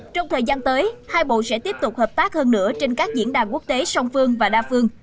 trong thời gian tới hai bộ sẽ tiếp tục hợp tác hơn nữa trên các diễn đàn quốc tế song phương và đa phương